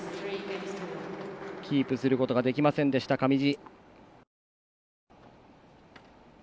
キープすることができなかった上地。